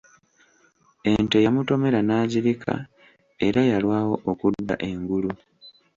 Ente yamutomera n'azirika era yalwawo okudda engulu.